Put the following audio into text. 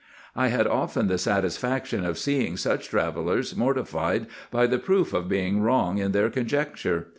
I had often the satisfaction of seeing such travellers mortified by the proof of being wrong in their conjecture.